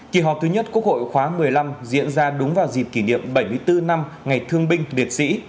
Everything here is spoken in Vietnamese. kỳ họp thứ nhất quốc hội khóa một mươi năm diễn ra đúng vào dịp kỷ niệm bảy mươi bốn năm ngày thương binh liệt sĩ